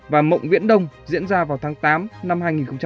và mộng viễn đông diễn ra vào tháng tám năm hai nghìn hai mươi ba